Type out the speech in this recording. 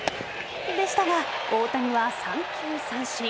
でしたが、大谷は三球三振。